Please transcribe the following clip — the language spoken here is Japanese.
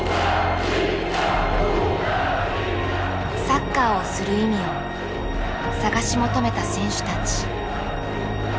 サッカーをする意味を探し求めた選手たち。